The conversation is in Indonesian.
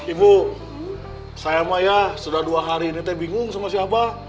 ibu saya sudah dua hari ini bingung sama siapa